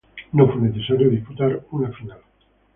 No fue necesario disputar una final.